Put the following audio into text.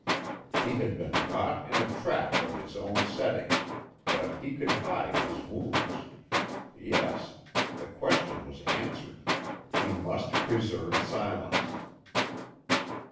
He had been caught in a trap of his own setting, but he could hide his wounds. Yes; the question was answered. He must preserve silence.